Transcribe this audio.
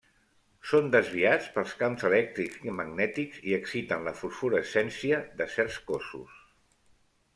Són desviats pels camps elèctrics i magnètics i exciten la fosforescència de certs cossos.